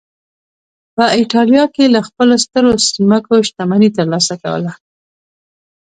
په اېټالیا کې له خپلو سترو ځمکو شتمني ترلاسه کوله